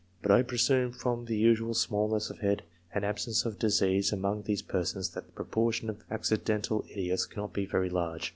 But I presume, from the usual smallness of head and absence of disease among these persons, that the proportion of accidental idiots cannot be very large.